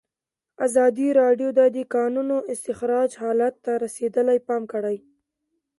ازادي راډیو د د کانونو استخراج حالت ته رسېدلي پام کړی.